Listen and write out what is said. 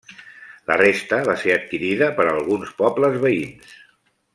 La resta va ser adquirida per alguns pobles veïns.